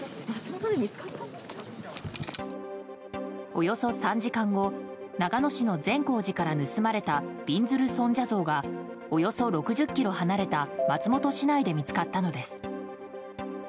およそ３時間後長野市の善光寺から盗まれたびんずる尊者像がおよそ６０ｋｍ離れた松本市内で見つかったのです。